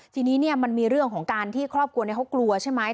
ทีนี้มันมีเรื่องของการที่ครอบครัวนี้เขากลัวใช่ไหม